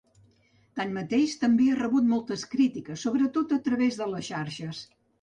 Tanmateix, també ha rebut moltes crítiques, sobretot a través de les xarxes.